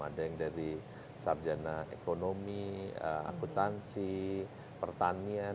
ada yang dari sarjana ekonomi akutansi pertanian